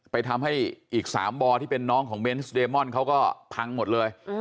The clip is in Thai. ไปทำให้อีก๓บ่อที่เป็นน้องของเบนส์เดมอนเขาก็พังหมดเลย